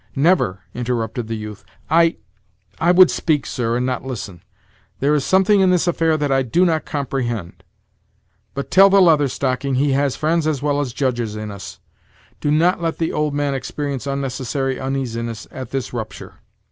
never!" interrupted the youth; "I " "I would speak, sir, and not listen. There is something in this affair that I do not comprehend; but tell the Leather Stocking he has friends as well as judges in us. Do not let the old man experience unnecessary uneasiness at this rupture.